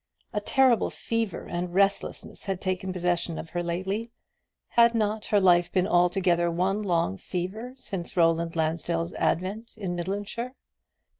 A terrible fever and restlessness had taken possession of her lately. Had not her life been altogether one long fever since Roland Lansdell's advent in Midlandshire?